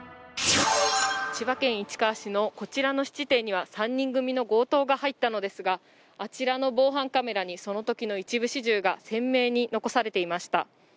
千葉県市川市のこちらの質店には３人組の強盗が入ったのですがあちらの防犯カメラにそのときの一部始終が鮮明に残されていました。